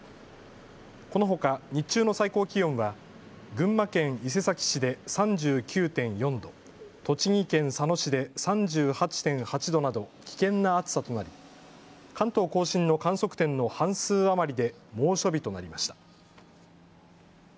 このほか日中の最高気温は群馬県伊勢崎市で３９．４度、栃木県佐野市で３８．８度など危険な暑さとなり、関東甲信の観測点の半数余りで猛暑日となりました。